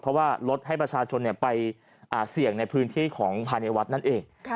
เพราะว่าลดให้ประชาชนไปเสี่ยงในพื้นที่ของภายในวัดนั่นเอง